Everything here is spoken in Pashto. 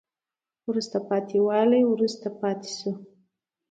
وروسته پاتې والی وروسته پاتې شوه